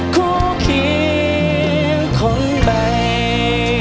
กูคิดคนใหม่